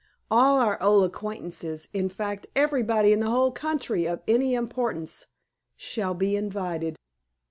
All our old acquaintances in fact, everybody in the whole country of any importance shall be invited.